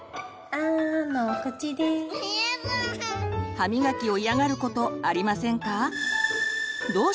歯みがきを嫌がることありませんか？